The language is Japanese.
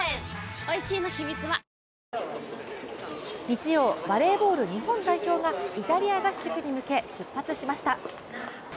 日曜、バレーボール日本代表がイタリア合宿に向け出発しました。